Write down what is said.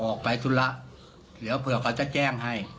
ออกไปธุระเดี๋ยวเผื่อเขาจะแจ้งให้